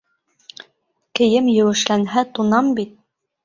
Кейем еүешләнһә туңам бит.